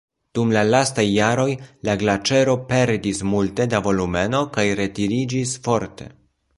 Dum la lastaj jaroj la glaĉero perdis multe da volumeno kaj retiriĝis forte.